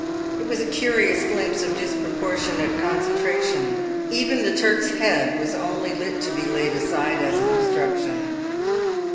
It was a curious glimpse of disproportionate concentration; even the Turk's head was only lit to be laid aside as an obstruction.